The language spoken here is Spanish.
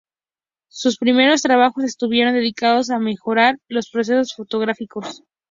Sus primeros trabajos estuvieron dedicados a mejorar los procesos fotográficos.